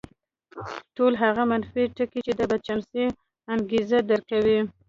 ټول هغه منفي ټکي چې د بدچانسۍ انګېزه درکوي.